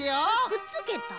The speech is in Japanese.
くっつけた？